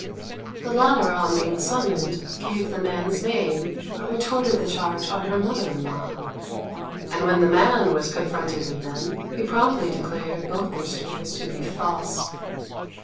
The latter, on being summoned, gave the man's name, but retorted the charge on her mother in law; and when the man was confronted with them, he promptly declared both their stories to be false.